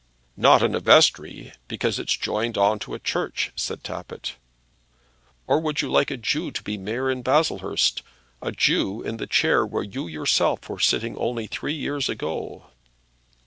"Not in a vestry, because it's joined on to a church," said Tappitt. "Or would you like a Jew to be mayor in Baslehurst; a Jew in the chair where you yourself were sitting only three years ago?"